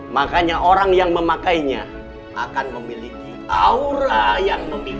makanya orang yang memakainya akan memiliki aura yang memiliki